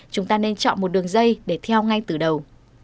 chúng ta nên chọn một đường dây để theo ngay từ đầu